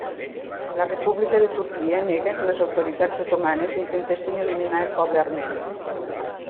La República de Turquia nega que les autoritats otomanes intentessin eliminar el poble armeni.